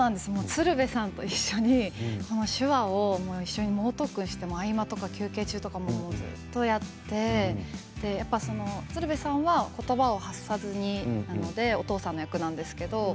鶴瓶さんと一緒に手話を猛特訓して合間とか休憩中とかもずっとやって鶴瓶さんは、ことばを発さずにお父さん役なんですけれども。